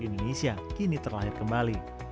indonesia kini terlahir kembali